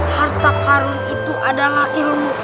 harta karun itu adalah ilmu